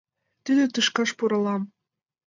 Тиде тӱшкаш пуралам